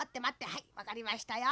はいわかりましたよ。